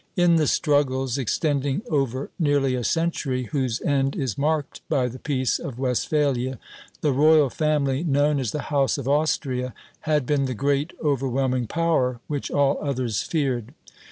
In the struggles, extending over nearly a century, whose end is marked by the Peace of Westphalia, the royal family known as the House of Austria had been the great overwhelming power which all others feared.